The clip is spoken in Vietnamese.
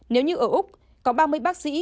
nếu như ở úc có ba mươi bác sĩ